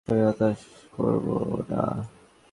আমি আপনাকে হতাশ করব না!